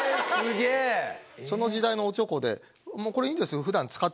その時代のおちょこでもうこれいいんですよ。